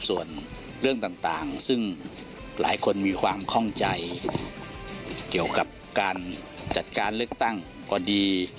ส่วนเรื่องต่างซึ่งหลายคนมีความคล่องใจเกี่ยวกับการจัดการเลือกตั้งก็ดี